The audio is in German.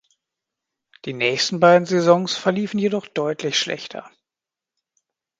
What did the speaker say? Die nächsten beiden Saisons verliefen jedoch deutlich schlechter.